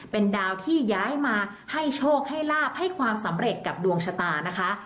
เป็นดาวที่ย้ายมาให้โชคให้ลาบให้ความสำเร็จกับดวงชะตานะคะ